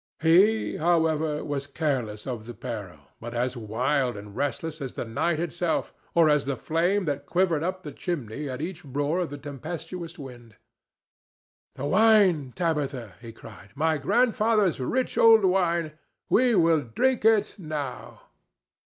He, however, was careless of the peril, but as wild and restless as the night itself, or as the flame that quivered up the chimney at each roar of the tempestuous wind. "The wine, Tabitha," he cried—"my grandfather's rich old wine! We will drink it now."